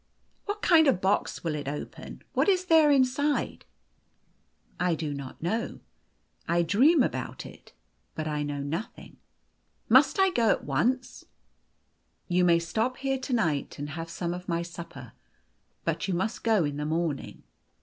" What kind of a box will it open ? What is there inside ?"" I do not know. I dream about it, but I know nothing." " Must I go at once ?"" You may stop here to night, and have some of my supper. But you must go in the morning.